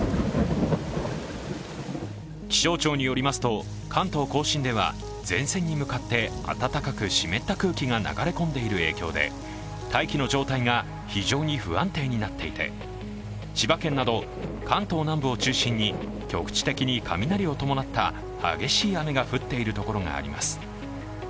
気象庁によりますと関東甲信では、前線に向かって暖かく湿った空気が流れ込んでいる影響で大気の状態が非常に不安定になっていて、千葉県など関東の南部を中心に局地的に雷を伴った激しい雨が降っている所があります。